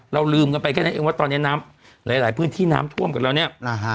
ลืมกันไปแค่นั้นเองว่าตอนนี้น้ำหลายพื้นที่น้ำท่วมกันแล้วเนี่ย